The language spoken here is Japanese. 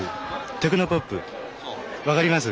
テクノポップ分かります？